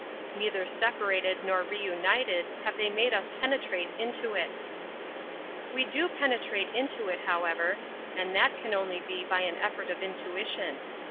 Neither separated nor 24 An Introduction to reunited have they made us penetrate inl it. We do penetrate into it, however, and that can only be by an effort of intuition.